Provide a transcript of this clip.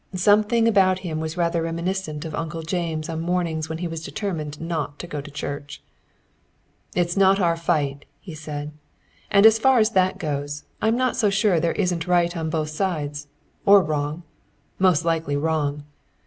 Something about him was rather reminiscent of Uncle James on mornings when he was determined not to go to church. "It's not our fight," he said. "And as far as that goes, I'm not so sure there isn't right on both sides. Or wrong. Most likely wrong.